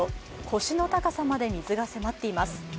腰の高さまで水が迫っています。